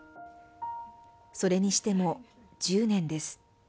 それにしても、１０年です。